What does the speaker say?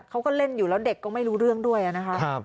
เขาก็เล่นอยู่แล้วเด็กก็ไม่รู้เรื่องด้วยนะคะ